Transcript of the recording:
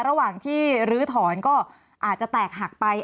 ระหว่างที่ลื้อถอนก็อาจจะแตกหักไป